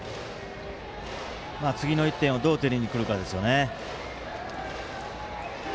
次の１点をどう取りにくるかですよね。